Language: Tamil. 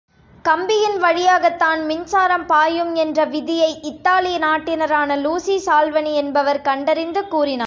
கம்பியின் வழியாகத்தான் மின்சாரம் பாயும் என்ற விதியை, இத்தாலி நாட்டினரான லூசி சால்வனி என்பவர் கண்டறிந்துக் கூறினார்!